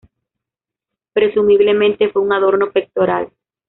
Presumiblemente fue un adorno pectoral.